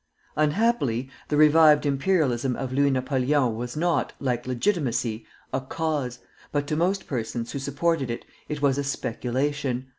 Unhappily, the revived imperialism of Louis Napoleon was not, like Legitimacy, a cause, but to most persons who supported it, it was a speculation.